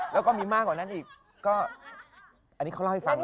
แล้วก็มีมากกว่านั้นอีกก็อันนี้เขาเล่าให้ฟัง